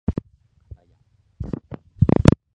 かたや